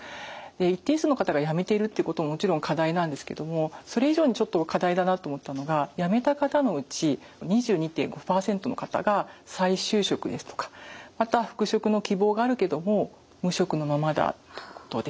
一定数の方が辞めているってことももちろん課題なんですけどもそれ以上にちょっと課題だなと思ったのが辞めた方のうち２２．５％の方が再就職ですとかまたは復職の希望があるけども無職のままだってことで。